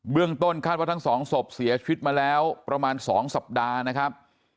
ต้นคาดว่าทั้งสองศพเสียชีวิตมาแล้วประมาณ๒สัปดาห์นะครับ